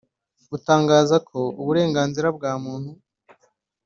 gutangaza ko uburenganzira bwa muntu